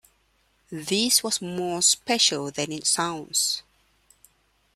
This was more special than it sounds.